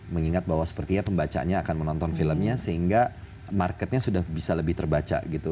mengingat bahwa sepertinya pembacanya akan menonton filmnya sehingga marketnya sudah bisa lebih terbaca gitu